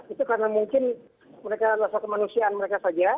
itu karena mungkin mereka adalah satu manusia mereka saja